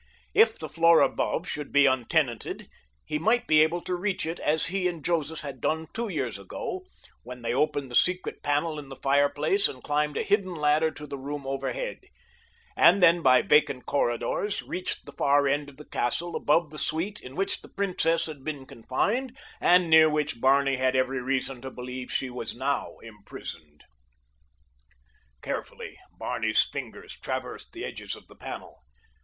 If the floor above should be untenanted he might be able to reach it as he and Joseph had done two years ago when they opened the secret panel in the fireplace and climbed a hidden ladder to the room overhead; and then by vacant corridors reached the far end of the castle above the suite in which the princess had been confined and near which Barney had every reason to believe she was now imprisoned. Carefully Barney's fingers traversed the edges of the panel.